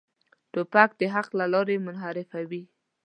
توپک د حق له لارې منحرفوي.